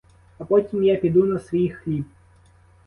А потім я піду на свій хліб.